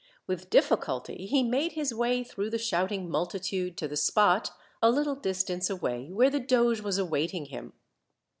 With difficulty, he made his way through the shouting multitude to the spot, a little distance away, where the doge was awaiting him.